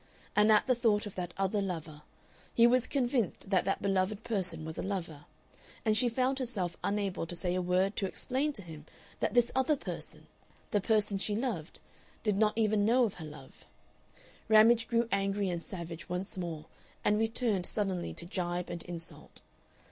And at the thought of that other lover he was convinced that that beloved person was a lover, and she found herself unable to say a word to explain to him that this other person, the person she loved, did not even know of her love Ramage grew angry and savage once more, and returned suddenly to gibe and insult.